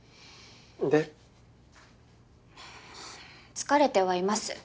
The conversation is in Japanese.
疲れてはいます。